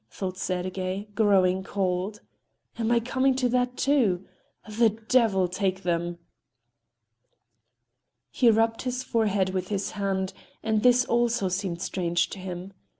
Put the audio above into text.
thought Sergey, growing cold. "Am I coming to that, too? The devil take them!" He rubbed his forehead with his hand, and this also seemed strange to him.